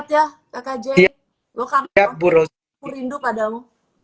ya kakak jokang burung rindu padamu